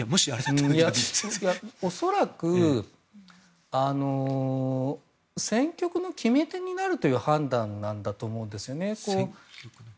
恐らく戦局の決め手になるという判断なんだと思うんですよね。